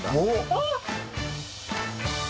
あっ！